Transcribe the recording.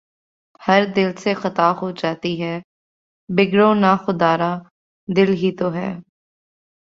ہر دل سے خطا ہو جاتی ہے، بگڑو نہ خدارا، دل ہی تو ہے